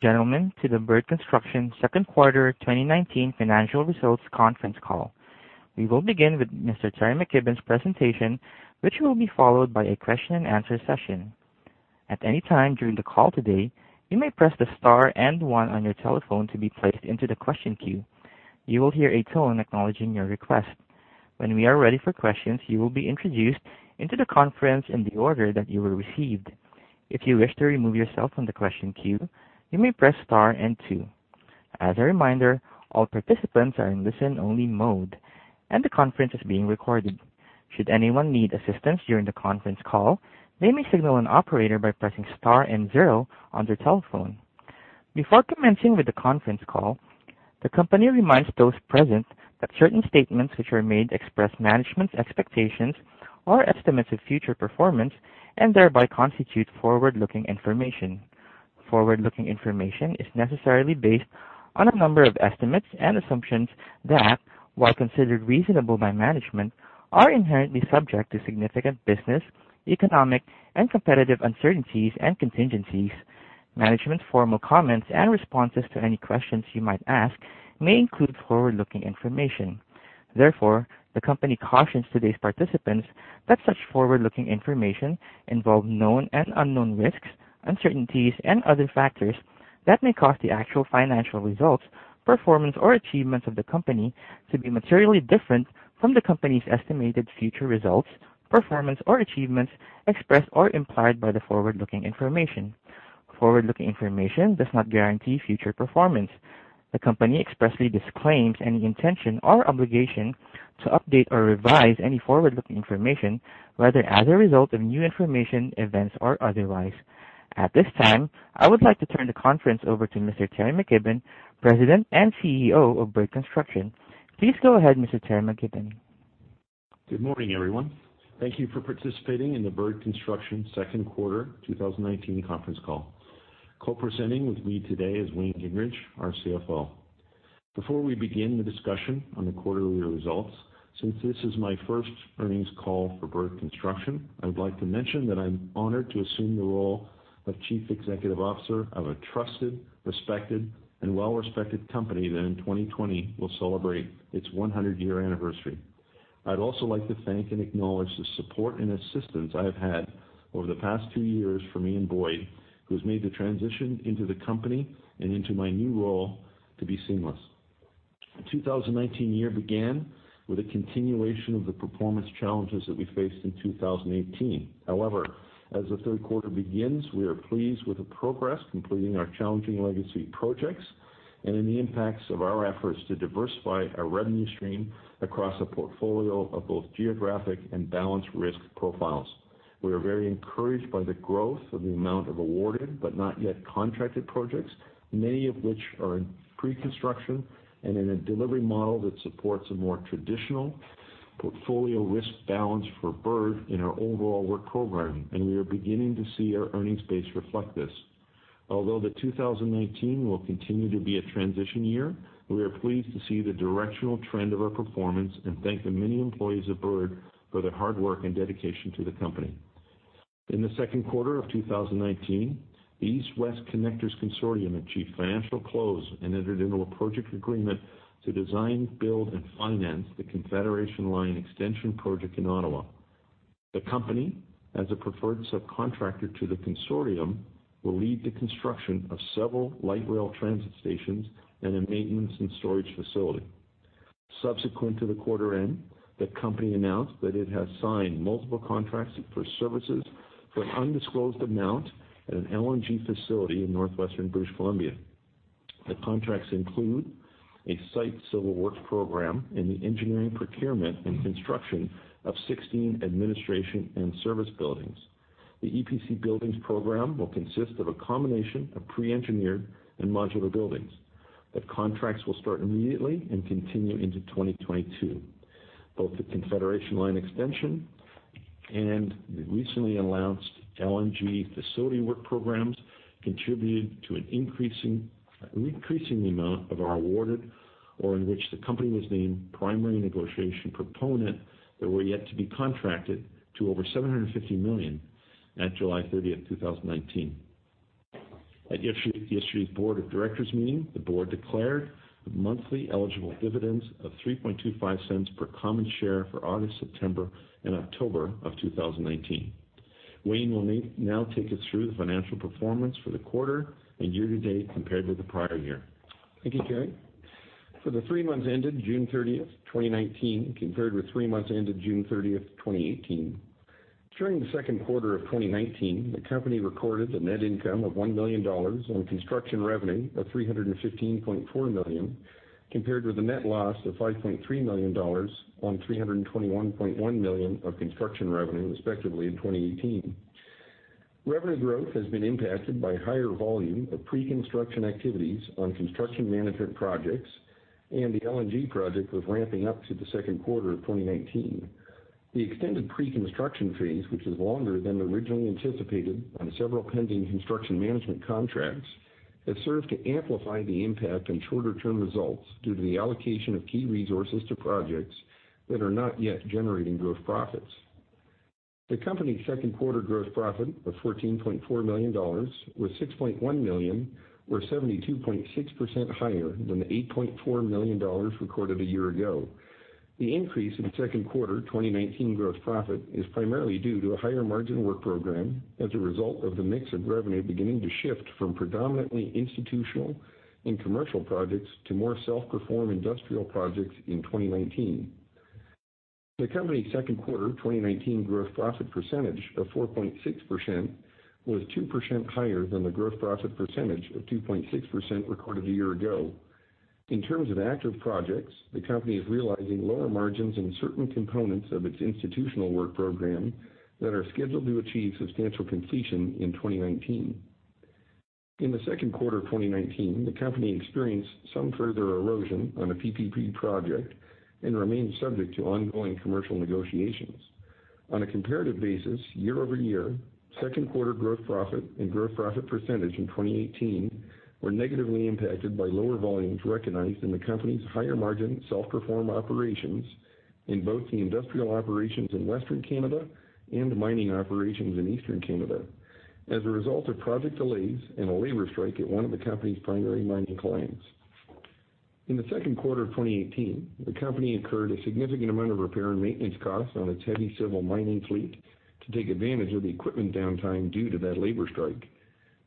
Gentlemen to the Bird Construction second quarter 2019 financial results conference call. We will begin with Mr. Teri McKibbon's presentation, which will be followed by a question and answer session. At any time during the call today, you may press the star and one on your telephone to be placed into the question queue. You will hear a tone acknowledging your request. When we are ready for questions, you will be introduced into the conference in the order that you were received. If you wish to remove yourself from the question queue, you may press star and two. As a reminder, all participants are in listen-only mode, and the conference is being recorded. Should anyone need assistance during the conference call, they may signal an operator by pressing star and zero on their telephone. Before commencing with the conference call, the company reminds those present that certain statements which are made express management's expectations or estimates of future performance and thereby constitute forward-looking information. Forward-looking information is necessarily based on a number of estimates and assumptions that, while considered reasonable by management, are inherently subject to significant business, economic, and competitive uncertainties and contingencies. Management's formal comments and responses to any questions you might ask may include forward-looking information. Therefore, the company cautions today's participants that such forward-looking information involve known and unknown risks, uncertainties, and other factors that may cause the actual financial results, performance, or achievements of the company to be materially different from the company's estimated future results, performance, or achievements expressed or implied by the forward-looking information. Forward-looking information does not guarantee future performance. The company expressly disclaims any intention or obligation to update or revise any forward-looking information, whether as a result of new information, events, or otherwise. At this time, I would like to turn the conference over to Mr. Teri McKibbon, President and CEO of Bird Construction. Please go ahead, Mr. Teri McKibbon. Good morning, everyone. Thank you for participating in the Bird Construction second quarter 2019 conference call. Co-presenting with me today is Wayne Gingrich, our CFO. Before we begin the discussion on the quarterly results, since this is my first earnings call for Bird Construction, I would like to mention that I'm honored to assume the role of Chief Executive Officer of a trusted, respected, and well-respected company that in 2020 will celebrate its 100-year anniversary. I'd also like to thank and acknowledge the support and assistance I have had over the past two years from Ian Boyd, who's made the transition into the company and into my new role to be seamless. The 2019 year began with a continuation of the performance challenges that we faced in 2018. As the third quarter begins, we are pleased with the progress completing our challenging legacy projects and in the impacts of our efforts to diversify our revenue stream across a portfolio of both geographic and balanced risk profiles. We are very encouraged by the growth of the amount of awarded but not yet contracted projects, many of which are in pre-construction and in a delivery model that supports a more traditional portfolio risk balance for Bird in our overall work program. We are beginning to see our earnings base reflect this. Although 2019 will continue to be a transition year, we are pleased to see the directional trend of our performance and thank the many employees of Bird for their hard work and dedication to the company. In the second quarter of 2019, the East West Connectors consortium achieved financial close and entered into a project agreement to design, build, and finance the Confederation Line Extension project in Ottawa. The company, as a preferred subcontractor to the consortium, will lead the construction of several light rail transit stations and a maintenance and storage facility. Subsequent to the quarter end, the company announced that it has signed multiple contracts for services for an undisclosed amount at an LNG facility in northwestern British Columbia. The contracts include a site civil works program in the engineering, procurement, and construction of 16 administration and service buildings. The EPC buildings program will consist of a combination of pre-engineered and modular buildings. The contracts will start immediately and continue into 2022. Both the Confederation Line extension and the recently announced LNG facility work programs contributed to an increasing amount of our awarded, or in which the company was named primary negotiation proponent that were yet to be contracted to over 750 million at July 30th, 2019. At yesterday's board of directors meeting, the board declared the monthly eligible dividends of 0.0325 per common share for August, September, and October of 2019. Wayne will now take us through the financial performance for the quarter and year to date compared with the prior year. Thank you, Teri. For the three months ended June 30th, 2019, compared with three months ended June 30th, 2018. During the second quarter of 2019, the company recorded a net income of 1 million dollars on construction revenue of 315.4 million, compared with a net loss of 5.3 million dollars on 321.1 million of construction revenue, respectively, in 2018. Revenue growth has been impacted by higher volume of pre-construction activities on construction management projects and the LNG project was ramping up to the second quarter of 2019. The extended pre-construction phase, which is longer than originally anticipated on several pending construction management contracts, has served to amplify the impact on shorter-term results due to the allocation of key resources to projects that are not yet generating gross profits. The company's second quarter gross profit of 14.4 million dollars was 6.1 million, or 72.6% higher than the 8.4 million dollars recorded a year ago. The increase in second quarter 2019 gross profit is primarily due to a higher margin work program as a result of the mix of revenue beginning to shift from predominantly institutional and commercial projects to more self-perform industrial projects in 2019. The company's second quarter 2019 gross profit percentage of 4.6% was 2% higher than the gross profit percentage of 2.6% recorded a year ago. In terms of active projects, the company is realizing lower margins in certain components of its institutional work program that are scheduled to achieve substantial completion in 2019. In the second quarter of 2019, the company experienced some further erosion on a PPP project and remains subject to ongoing commercial negotiations. On a comparative basis, year-over-year, second quarter gross profit and gross profit percentage in 2018 were negatively impacted by lower volumes recognized in the company's higher margin self-perform operations in both the industrial operations in Western Canada and mining operations in Eastern Canada as a result of project delays and a labor strike at one of the company's primary mining clients. In the second quarter of 2018, the company incurred a significant amount of repair and maintenance costs on its heavy civil mining fleet to take advantage of the equipment downtime due to that labor strike.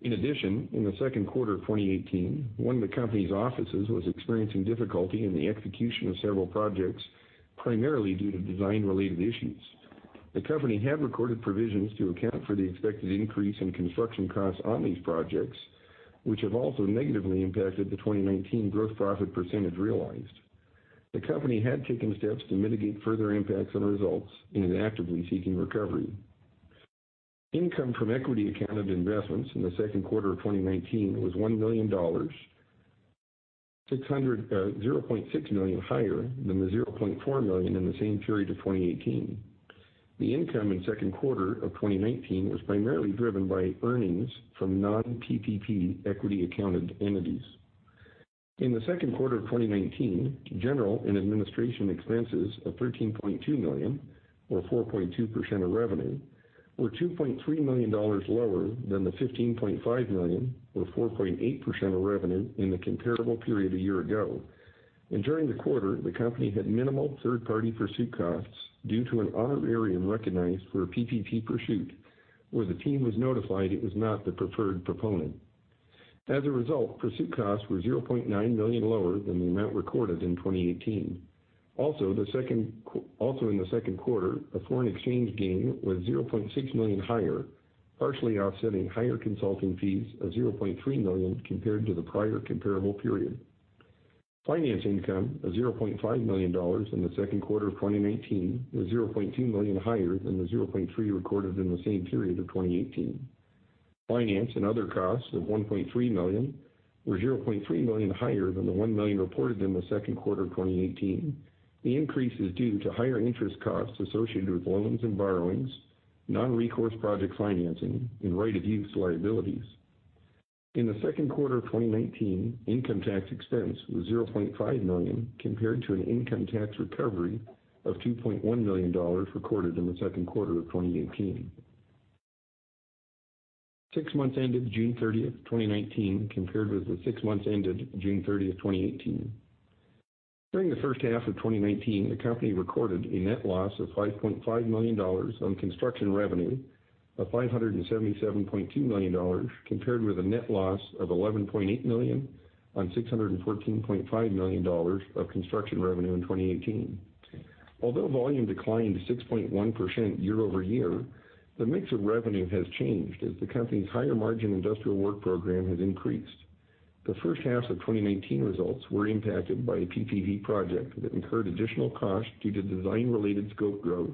In addition, in the second quarter of 2018, one of the company's offices was experiencing difficulty in the execution of several projects, primarily due to design-related issues. The company had recorded provisions to account for the expected increase in construction costs on these projects, which have also negatively impacted the 2019 growth profit percentage realized. The company had taken steps to mitigate further impacts on results and is actively seeking recovery. Income from equity accounted investments in the second quarter of 2019 was 1 million dollars, 0.6 million higher than the 0.4 million in the same period of 2018. The income in the second quarter of 2019 was primarily driven by earnings from non-PPP equity accounted entities. In the second quarter of 2019, general and administration expenses of 13.2 million, or 4.2% of revenue, were 2.3 million dollars lower than the 15.5 million or 4.8% of revenue in the comparable period a year ago. During the quarter, the company had minimal third-party pursuit costs due to an honorarium recognized for a PPP pursuit where the team was notified it was not the preferred proponent. As a result, pursuit costs were 0.9 million lower than the amount recorded in 2018. Also in the second quarter, a foreign exchange gain was 0.6 million higher, partially offsetting higher consulting fees of 0.3 million compared to the prior comparable period. Finance income of 0.5 million dollars in the second quarter of 2019 was 0.2 million higher than the 0.3 million recorded in the same period of 2018. Finance and other costs of 1.3 million were 0.3 million higher than the 1 million reported in the second quarter of 2018. The increase is due to higher interest costs associated with loans and borrowings, non-recourse project financing, and right of use liabilities. In the second quarter of 2019, income tax expense was 0.5 million compared to an income tax recovery of 2.1 million dollars recorded in the second quarter of 2018. Six months ended June 30, 2019, compared with the six months ended June 30, 2018. During the first half of 2019, the company recorded a net loss of 5.5 million dollars on construction revenue of 577.2 million dollars, compared with a net loss of 11.8 million on 614.5 million dollars of construction revenue in 2018. Although volume declined 6.1% year-over-year, the mix of revenue has changed as the company's higher margin industrial work program has increased. The first half of 2019 results were impacted by a PPP project that incurred additional costs due to design-related scope growth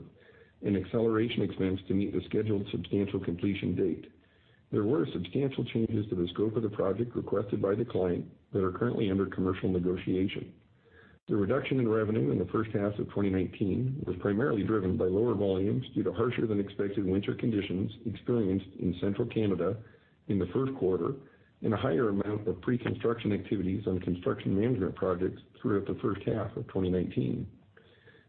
and acceleration expense to meet the scheduled substantial completion date. There were substantial changes to the scope of the project requested by the client that are currently under commercial negotiation. The reduction in revenue in the first half of 2019 was primarily driven by lower volumes due to harsher than expected winter conditions experienced in central Canada in the first quarter and a higher amount of pre-construction activities on construction management projects throughout the first half of 2019.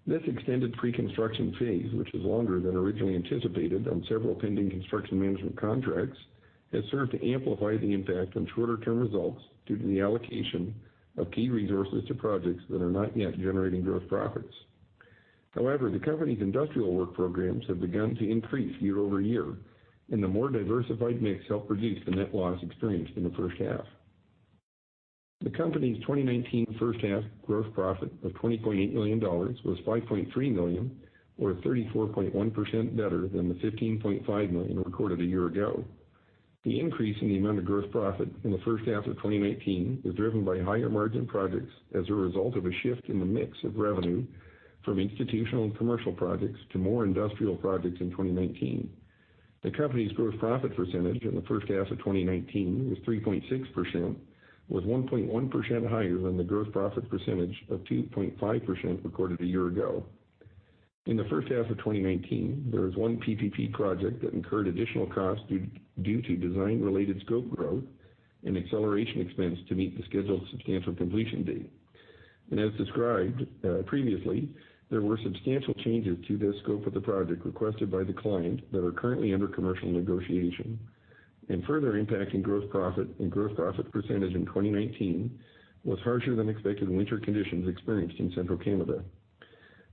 This extended pre-construction phase, which was longer than originally anticipated on several pending construction management contracts, has served to amplify the impact on shorter-term results due to the allocation of key resources to projects that are not yet generating growth profits. However, the company's industrial work programs have begun to increase year-over-year, and the more diversified mix helped reduce the net loss experienced in the first half. The company's 2019 first half growth profit of 20.8 million dollars was 5.3 million or 34.1% better than the 15.5 million recorded a year ago. The increase in the amount of growth profit in the first half of 2019 was driven by higher margin projects as a result of a shift in the mix of revenue from institutional and commercial projects to more industrial projects in 2019. The company's growth profit percentage in the first half of 2019 was 3.6%, was 1.1% higher than the growth profit percentage of 2.5% recorded a year ago. In the first half of 2019, there was one PPP project that incurred additional costs due to design-related scope growth and acceleration expense to meet the scheduled substantial completion date, and as described previously, there were substantial changes to the scope of the project requested by the client that are currently under commercial negotiation. Further impacting gross profit and gross profit percentage in 2019 was harsher than expected winter conditions experienced in Central Canada.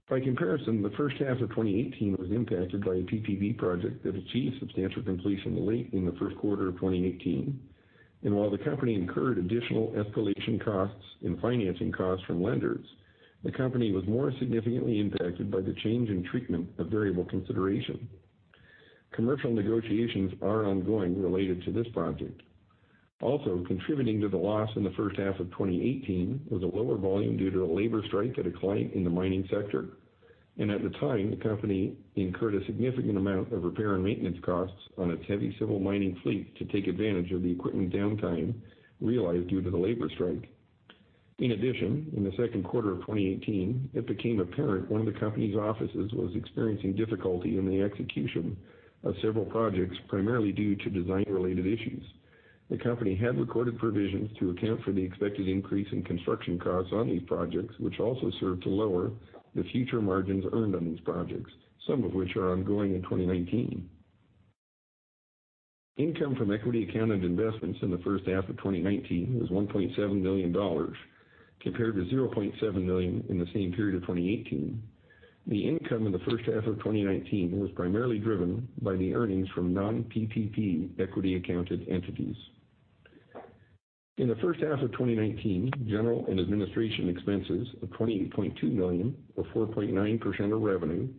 By comparison, the first half of 2018 was impacted by a PPP project that achieved substantial completion late in the first quarter of 2018. While the company incurred additional escalation costs and financing costs from lenders, the company was more significantly impacted by the change in treatment of variable consideration. Commercial negotiations are ongoing related to this project. Also contributing to the loss in the first half of 2018 was a lower volume due to a labor strike at a client in the mining sector. At the time, the company incurred a significant amount of repair and maintenance costs on its heavy civil mining fleet to take advantage of the equipment downtime realized due to the labor strike. In the second quarter of 2018, it became apparent one of the company's offices was experiencing difficulty in the execution of several projects, primarily due to design-related issues. The company had recorded provisions to account for the expected increase in construction costs on these projects, which also served to lower the future margins earned on these projects, some of which are ongoing in 2019. Income from equity accounted investments in the first half of 2019 was 1.7 million dollars, compared to 0.7 million in the same period of 2018. The income in the first half of 2019 was primarily driven by the earnings from non-PPP equity accounted entities. In the first half of 2019, general and administration expenses of 20.2 million or 4.9% of revenue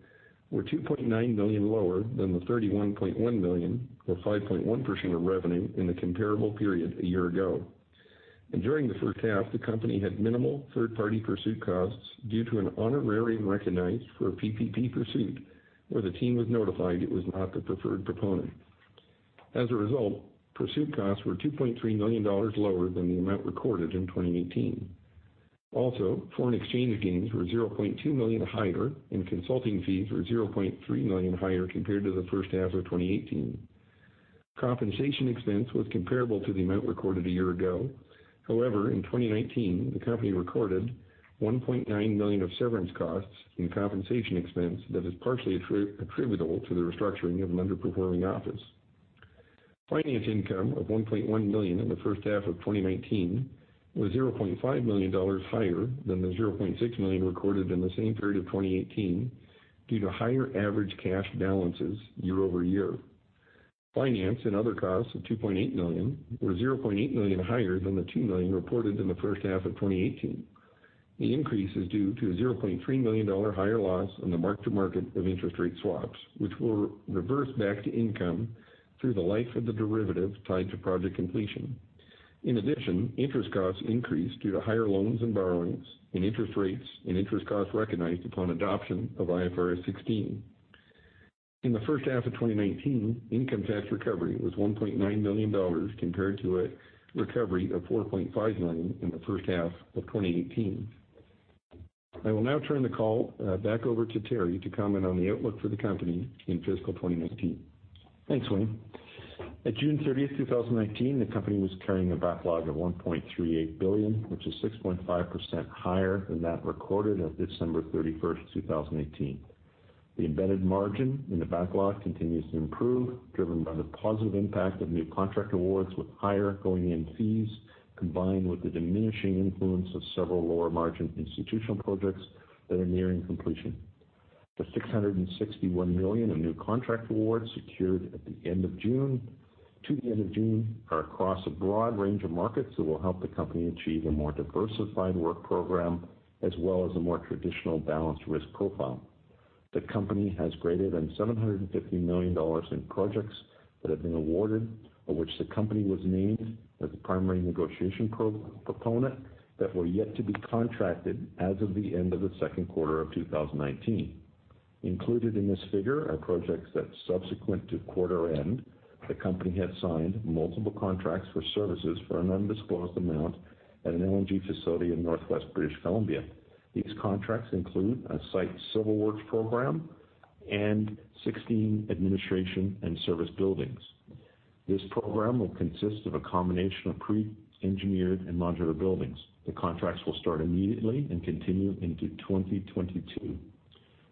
were 2.9 million lower than the 31.1 million, or 5.1% of revenue in the comparable period a year ago. During the first half, the company had minimal third-party pursuit costs due to an honorarium recognized for a PPP pursuit where the team was notified it was not the preferred proponent. As a result, pursuit costs were 2.3 million dollars lower than the amount recorded in 2018. Also, foreign exchange gains were 0.2 million higher, and consulting fees were 0.3 million higher compared to the first half of 2018. Compensation expense was comparable to the amount recorded a year ago. However, in 2019, the company recorded 1.9 million of severance costs in compensation expense that is partially attributable to the restructuring of an underperforming office. Finance income of 1.1 million in the first half of 2019 was 0.5 million dollars higher than the 0.6 million recorded in the same period of 2018 due to higher average cash balances year-over-year. Finance and other costs of 2.8 million were 0.8 million higher than the 2 million reported in the first half of 2018. The increase is due to a 0.3 million dollar higher loss on the mark to market of interest rate swaps, which will reverse back to income through the life of the derivative tied to project completion. In addition, interest costs increased due to higher loans and borrowings and interest rates and interest costs recognized upon adoption of IFRS 16. In the first half of 2019, income tax recovery was 1.9 million dollars compared to a recovery of 4.5 million in the first half of 2018. I will now turn the call back over to Teri to comment on the outlook for the company in fiscal 2019. Thanks, Wayne. At June 30th, 2019, the company was carrying a backlog of 1.38 billion, which is 6.5% higher than that recorded at December 31st, 2018. The embedded margin in the backlog continues to improve, driven by the positive impact of new contract awards with higher going-in fees, combined with the diminishing influence of several lower-margin institutional projects that are nearing completion. The 661 million of new contract awards secured to the end of June are across a broad range of markets that will help the company achieve a more diversified work program as well as a more traditional balanced risk profile. The company has greater than 750 million dollars in projects that have been awarded, of which the company was named as the primary negotiation proponent that were yet to be contracted as of the end of the second quarter of 2019. Included in this figure are projects that subsequent to quarter end, the company had signed multiple contracts for services for an undisclosed amount at an LNG facility in Northwest British Columbia. These contracts include a site civil works program and 16 administration and service buildings. This program will consist of a combination of pre-engineered and modular buildings. The contracts will start immediately and continue into 2022.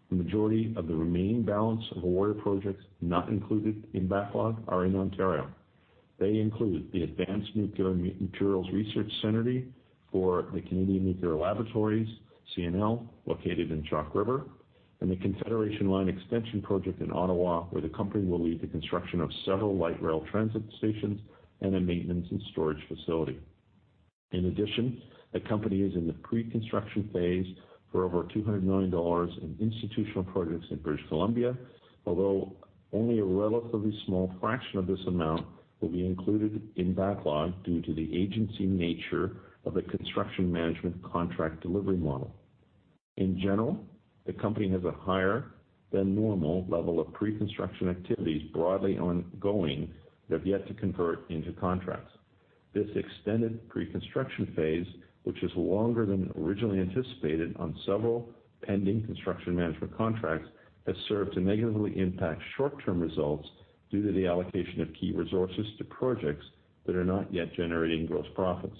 The majority of the remaining balance of awarded projects not included in backlog are in Ontario. They include the Advanced Nuclear Materials Research Centre for the Canadian Nuclear Laboratories, CNL, located in Chalk River, and the Confederation Line Extension project in Ottawa, where the company will lead the construction of several light rail transit stations and a maintenance and storage facility. In addition, the company is in the pre-construction phase for over 200 million dollars in institutional projects in British Columbia, although only a relatively small fraction of this amount will be included in backlog due to the agency nature of the construction management contract delivery model. In general, the company has a higher-than-normal level of pre-construction activities broadly ongoing that have yet to convert into contracts. This extended pre-construction phase, which is longer than originally anticipated on several pending construction management contracts, has served to negatively impact short-term results due to the allocation of key resources to projects that are not yet generating gross profits.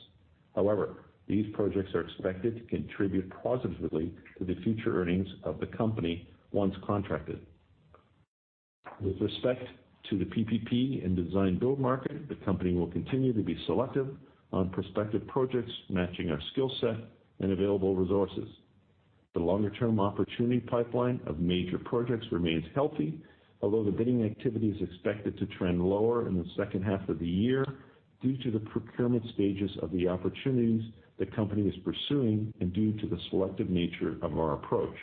These projects are expected to contribute positively to the future earnings of the company once contracted. With respect to the PPP and design-build market, the company will continue to be selective on prospective projects matching our skill set and available resources. The longer-term opportunity pipeline of major projects remains healthy, although the bidding activity is expected to trend lower in the second half of the year due to the procurement stages of the opportunities the company is pursuing and due to the selective nature of our approach.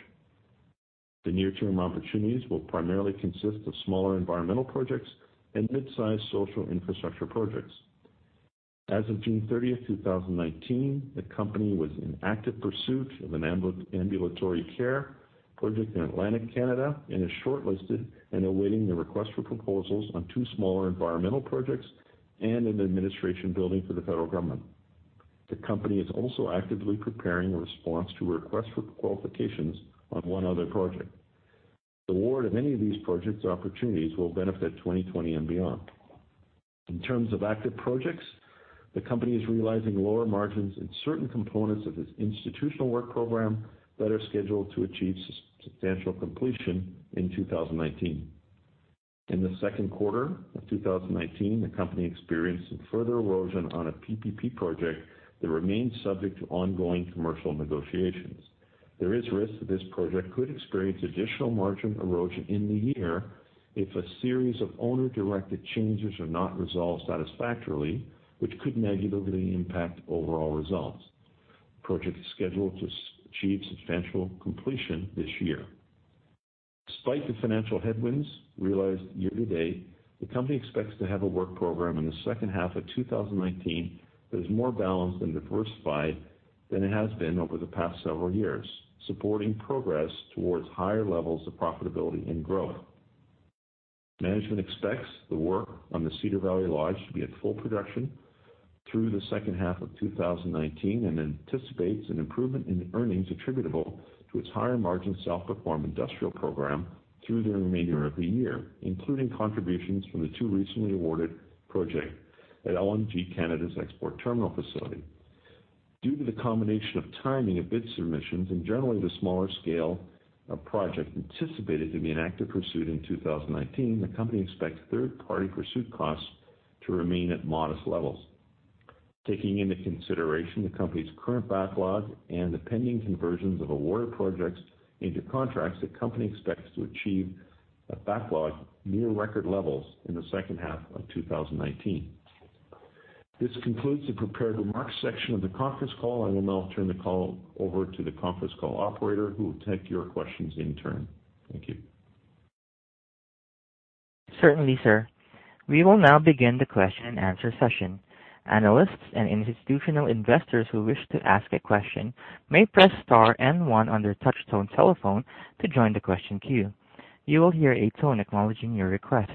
The near-term opportunities will primarily consist of smaller environmental projects and mid-size social infrastructure projects. As of June 30th, 2019, the company was in active pursuit of an ambulatory care project in Atlantic Canada and is shortlisted and awaiting the request for proposals on two smaller environmental projects and an administration building for the federal government. The company is also actively preparing a response to a request for qualifications on one other project. The award of any of these projects or opportunities will benefit 2020 and beyond. In terms of active projects, the company is realizing lower margins in certain components of its institutional work program that are scheduled to achieve substantial completion in 2019. In the second quarter of 2019, the company experienced some further erosion on a PPP project that remains subject to ongoing commercial negotiations. There is risk that this project could experience additional margin erosion in the year if a series of owner-directed changes are not resolved satisfactorily, which could negatively impact overall results. The project is scheduled to achieve substantial completion this year. Despite the financial headwinds realized year-to-date, the company expects to have a work program in the second half of 2019 that is more balanced and diversified than it has been over the past several years, supporting progress towards higher levels of profitability and growth. Management expects the work on the Cedar Valley Lodge to be at full production through the second half of 2019 and anticipates an improvement in earnings attributable to its higher-margin, self-performed industrial program through the remainder of the year, including contributions from the two recently awarded projects at LNG Canada's export terminal facility. Due to the combination of timing of bid submissions and generally the smaller scale of projects anticipated to be in active pursuit in 2019, the company expects third-party pursuit costs to remain at modest levels. Taking into consideration the company's current backlog and the pending conversions of awarded projects into contracts, the company expects to achieve a backlog near record levels in the second half of 2019. This concludes the prepared remarks section of the conference call. I will now turn the call over to the conference call operator, who will take your questions in turn. Thank you. Certainly, sir. We will now begin the question and answer session. Analysts and institutional investors who wish to ask a question may press star and one on their touchtone telephone to join the question queue. You will hear a tone acknowledging your request.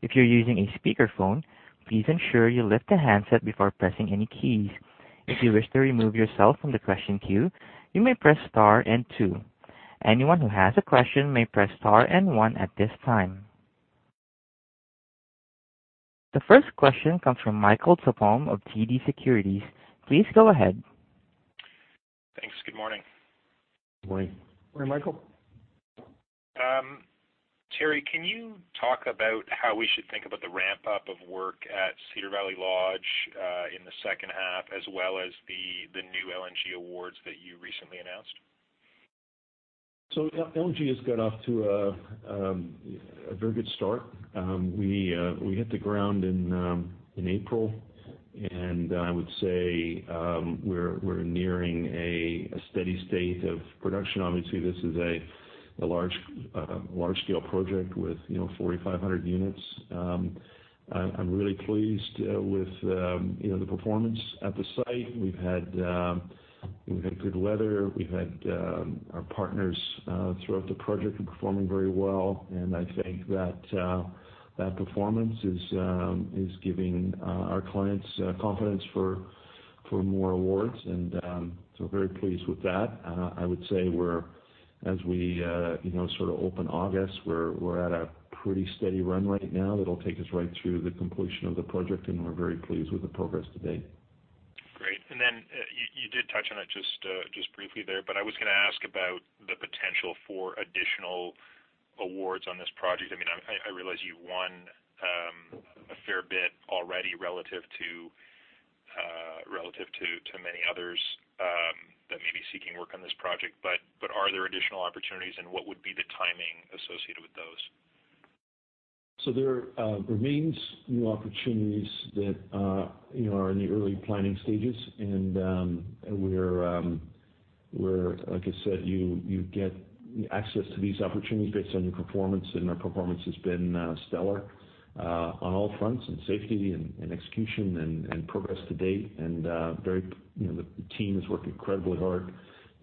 If you're using a speakerphone, please ensure you lift the handset before pressing any keys. If you wish to remove yourself from the question queue, you may press star and two. Anyone who has a question may press star and one at this time. The first question comes from Michael Tupholme of TD Securities. Please go ahead. Thanks. Good morning. Good morning. Good morning, Michael. Teri, can you talk about how we should think about the ramp-up of work at Cedar Valley Lodge in the second half, as well as the new LNG awards that you recently announced? LNG has got off to a very good start. We hit the ground in April, and I would say we're nearing a steady state of production. Obviously, this is a large-scale project with 4,500 units. I'm really pleased with the performance at the site. We've had good weather. We've had our partners throughout the project performing very well, and I think that performance is giving our clients confidence for more awards. We're very pleased with that. I would say as we open August, we're at a pretty steady run right now that'll take us right through the completion of the project, and we're very pleased with the progress to date. Great. You did touch on it just briefly there, but I was going to ask about the potential for additional awards on this project. I realize you won a fair bit already relative to many others that may be seeking work on this project. Are there additional opportunities, and what would be the timing associated with those? There remains new opportunities that are in the early planning stages. Like I said, you get access to these opportunities based on your performance, and our performance has been stellar on all fronts in safety and execution and progress to date. The team has worked incredibly hard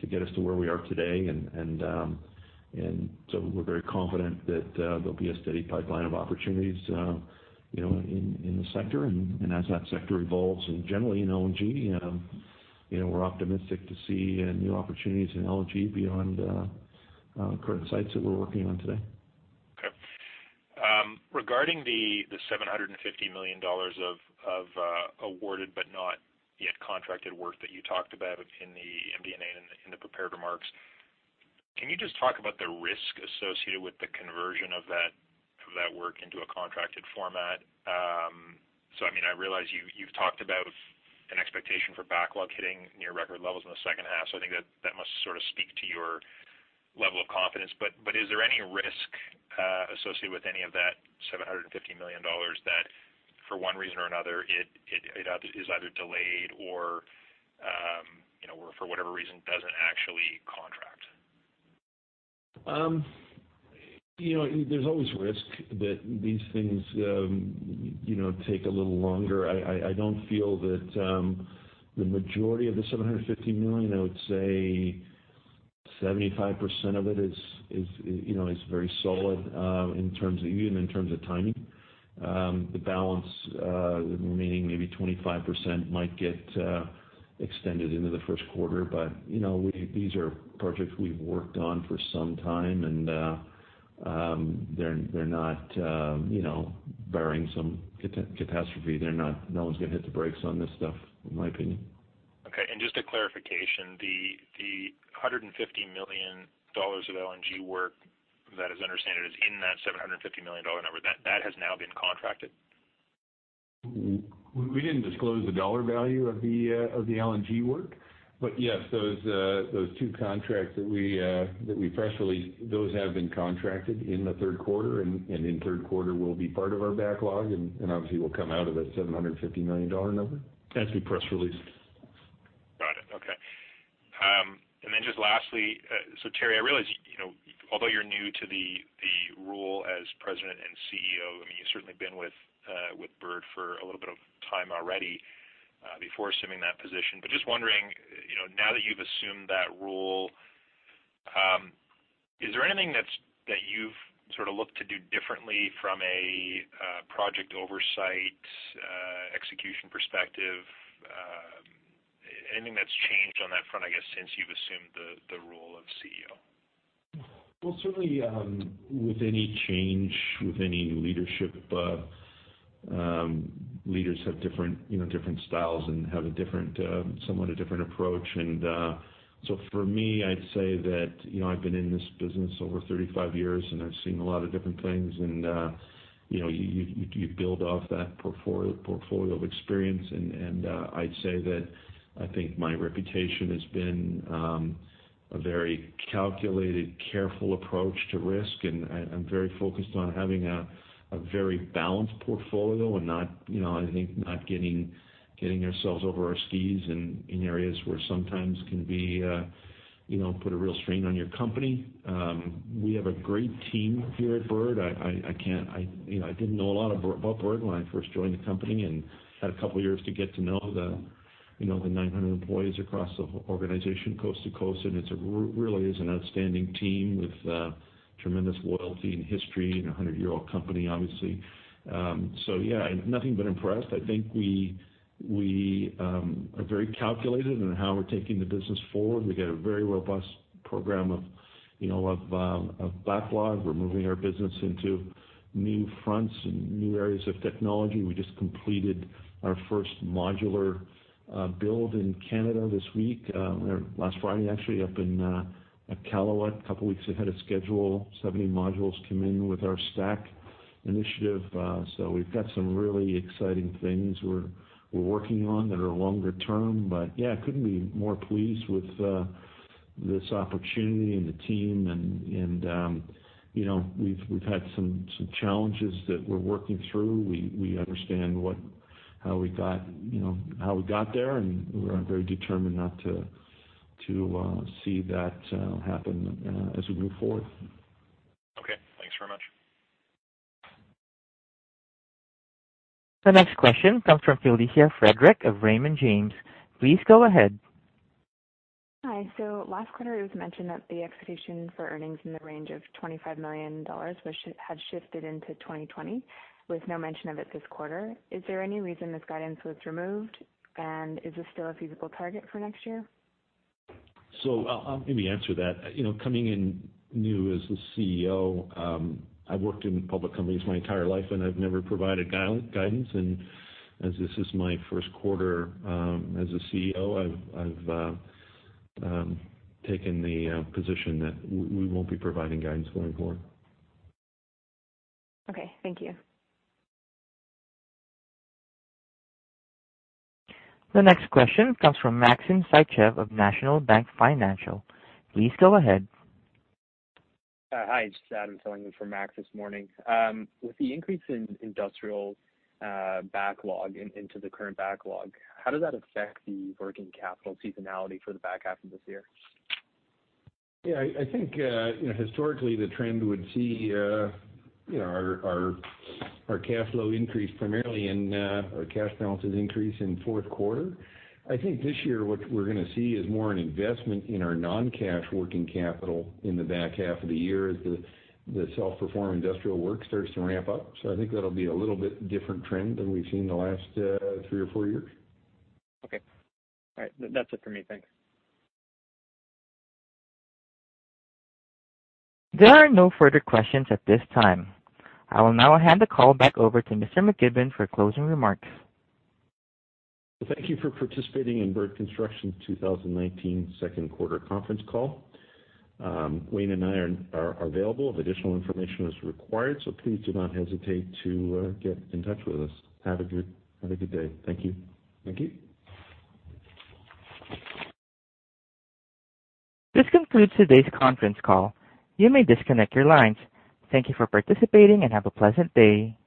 to get us to where we are today. We're very confident that there'll be a steady pipeline of opportunities in the sector. As that sector evolves and generally in LNG, we're optimistic to see new opportunities in LNG beyond current sites that we're working on today. Okay. Regarding the 750 million dollars of awarded but not yet contracted work that you talked about in the MD&A in the prepared remarks, can you just talk about the risk associated with the conversion of that work into a contracted format? I realize you've talked about an expectation for backlog hitting near record levels in the second half. I think that must sort of speak to your level of confidence. Is there any risk associated with any of that 750 million dollars that for one reason or another, it is either delayed or, for whatever reason, doesn't actually contract? There's always risk that these things take a little longer. I don't feel that the majority of the 750 million, I would say 75% of it is very solid even in terms of timing. The balance, the remaining maybe 25% might get extended into the first quarter. These are projects we've worked on for some time, and they're not barring some catastrophe. No one's going to hit the brakes on this stuff, in my opinion. Just a clarification, the 150 million dollars of LNG work that is understood is in that 750 million dollar number, that has now been contracted? We didn't disclose the dollar value of the LNG work. Yes, those two contracts that we fresh released, those have been contracted in the third quarter and in the third quarter will be part of our backlog and obviously will come out of that 750 million dollar number as we press release. Got it. Okay. Just lastly, Teri, I realize although you're new to the role as president and CEO, you've certainly been with Bird for a little bit of time already before assuming that position. Just wondering, now that you've assumed that role, is there anything that you've sort of looked to do differently from a project oversight, execution perspective? Anything that's changed on that front, I guess, since you've assumed the role of CEO? Well, certainly, with any change, with any leadership, leaders have different styles and have a somewhat different approach. For me, I'd say that I've been in this business over 35 years, and I've seen a lot of different things, and you build off that portfolio of experience. I'd say that I think my reputation has been a very calculated, careful approach to risk, and I'm very focused on having a very balanced portfolio and not getting ourselves over our skis in areas where sometimes can put a real strain on your company. We have a great team here at Bird. I didn't know a lot about Bird when I first joined the company and had a couple of years to get to know the 900 employees across the organization coast to coast, and it really is an outstanding team with tremendous loyalty and history, and a 100-year-old company, obviously. Yeah, nothing but impressed. I think we are very calculated in how we're taking the business forward. We've got a very robust program of backlog. We're moving our business into new fronts and new areas of technology. We just completed our first modular build in Canada this week, or last Friday, actually, up in Iqaluit, a couple of weeks ahead of schedule. 70 modules came in with our stack initiative. We've got some really exciting things we're working on that are longer term. Yeah, couldn't be more pleased with this opportunity and the team and we've had some challenges that we're working through. We understand how we got there, and we are very determined not to see that happen as we move forward. Okay. Thanks very much. The next question comes from Frederic Bastien of Raymond James. Please go ahead. Hi. Last quarter, it was mentioned that the expectation for earnings in the range of 25 million dollars had shifted into 2020 with no mention of it this quarter. Is there any reason this guidance was removed, and is this still a feasible target for next year? I'll maybe answer that. Coming in new as the CEO, I've worked in public companies my entire life, and I've never provided guidance. As this is my first quarter as a CEO, I've taken the position that we won't be providing guidance going forward. Okay. Thank you. The next question comes from Maxim Sytchev of National Bank Financial. Please go ahead. Hi, just Adam filling in for Max this morning. With the increase in industrial backlog into the current backlog, how does that affect the working capital seasonality for the back half of this year? Yeah, I think historically the trend would see our cash balances increase in fourth quarter. I think this year what we're going to see is more an investment in our non-cash working capital in the back half of the year as the self-perform industrial work starts to ramp up. I think that'll be a little bit different trend than we've seen in the last three or four years. Okay. All right. That's it for me. Thanks. There are no further questions at this time. I will now hand the call back over to Mr. McKibbon for closing remarks. Well, thank you for participating in Bird Construction 2019 second quarter conference call. Wayne and I are available if additional information is required, so please do not hesitate to get in touch with us. Have a good day. Thank you. Thank you. This concludes today's conference call. You may disconnect your lines. Thank you for participating and have a pleasant day.